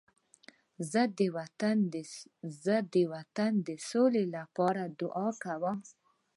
زه د وطن د سولې لپاره دعا کوم.